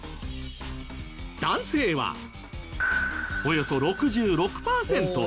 男性はおよそ６６パーセント。